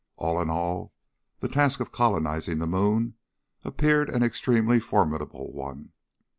All in all, the task of colonizing the moon appeared an extremely formidable one.